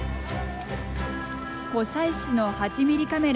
湖西市の８ミリカメラ